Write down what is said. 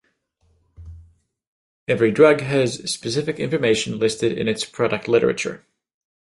Every drug has specific information listed in its product literature.